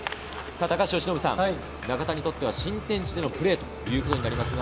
由伸さん、中田にとっては新天地でのプレーとなりますね。